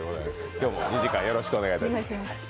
今日も２時間、よろしくお願いします。